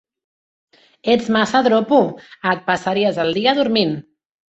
Ets massa dropo: et passaries el dia dormint!